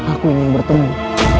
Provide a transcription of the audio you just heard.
aku ingin bertemu